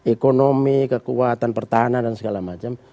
ekonomi kekuatan pertahanan dan segala macam